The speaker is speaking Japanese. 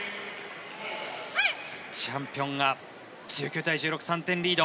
チャンピオンが１９対１６３点リード。